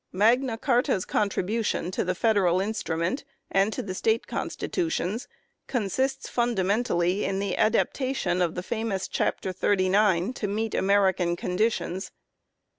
Magna Carta's contribution to the federal instrument, and to the State Constitutions, consists fundamentally in the adaptation of the famous chapter thirty nine to meet American conditions.